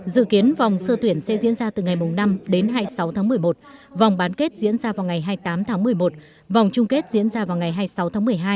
dự kiến vòng sơ tuyển sẽ diễn ra từ ngày năm đến hai mươi sáu tháng một mươi một vòng bán kết diễn ra vào ngày hai mươi tám tháng một mươi một vòng chung kết diễn ra vào ngày hai mươi sáu tháng một mươi hai